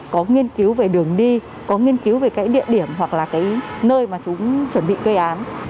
có nghiên cứu về đường đi có nghiên cứu về cái địa điểm hoặc là cái nơi mà chúng chuẩn bị gây án